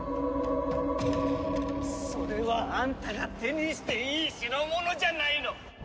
それはあんたが手にしていい代物じゃないの！